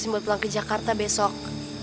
kita harus pulang ke jakarta besok